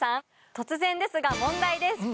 突然ですが問題です。